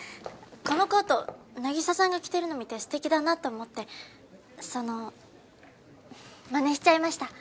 このコート凪沙さんが着てるの見て素敵だなと思ってそのマネしちゃいました。